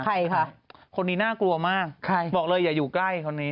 ใครค่ะคนนี้น่ากลัวมากใครบอกเลยอย่าอยู่ใกล้คนนี้